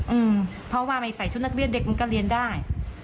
อืมเพราะว่าไม่ใส่ชุดนักเรียนเด็กมันก็เรียนได้